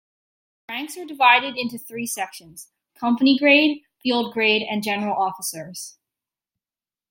The ranks are divided into three sections: company grade, field grade, and general officers.